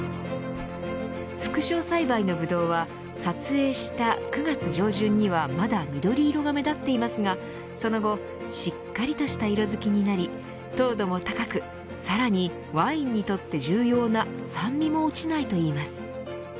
副梢栽培のブドウは撮影した９月上旬には、まだ緑色が目立っていますがその後しっかりとした色づきになり糖度も高くさらにワインにとって重要な酸味も落ちないといいます。